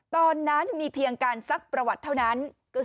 ตอนนั้นมีเพียงการซักประวัติเท่านั้น